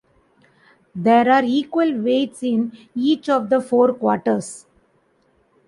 There are equal weights in each of the four quarters.